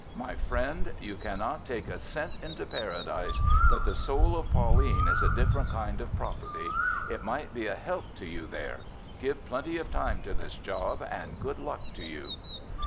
My friend, you can not take a cent into Paradise, but the soul of Pauline is a different kind of property. It might be a help to you there. Give plenty of time to this job, and good luck to you."